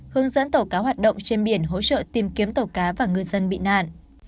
hướng dẫn tàu cá hoạt động trên biển hỗ trợ tìm kiếm tàu cá và ngư dân bị nạn